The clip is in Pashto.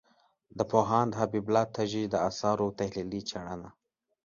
د پوهاند حبیب الله تږي د آثارو تحلیلي څېړنه